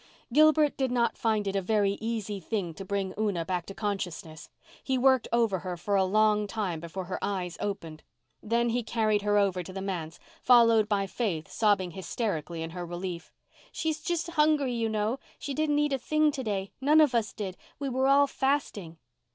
Gilbert did not find it a very easy thing to bring Una back to consciousness. He worked over her for a long time before her eyes opened. Then he carried her over to the manse, followed by Faith, sobbing hysterically in her relief. "She is just hungry, you know—she didn't eat a thing to day—none of us did—we were all fasting."